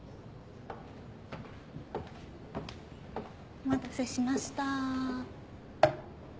お待たせしました。